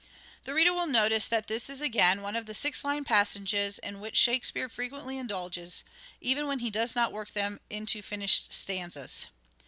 (The reader will notice that this is again one of the six lined passages in which Shakespeare frequently indulges, even when he does not work them into finished stanzas.)